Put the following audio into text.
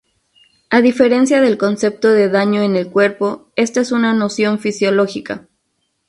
A diferencia del concepto de daño en el cuerpo, esta es una noción fisiológica.